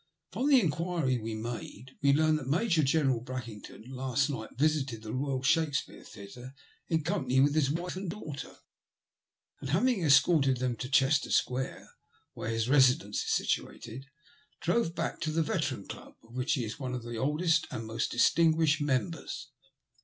From inquiriei made we learn that Major General Brackington last night visited the Boyal Shakespeare Theatre in company with his wife and daughter, and having escorted them to Chester Square, where his residence is situated, drove back to the Veteran Club, of which he is one of the oldest and most distinguished members.